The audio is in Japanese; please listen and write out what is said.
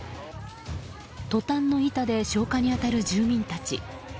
トタンの板で消火に当たる住民たち。